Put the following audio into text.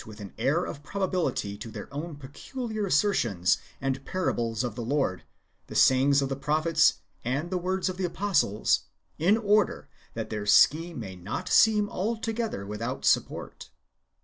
adapt witli an air of probability to their own peculiar asser tions the parables of the Lord, the sayings of the prophets, and the words of the apostles, in order that their scheme may not seem altogether without support.